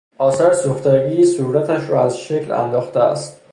آثار سوختگی صورتش را از شکل انداخته است.